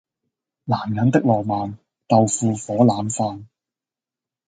男人的浪漫，豆腐火腩飯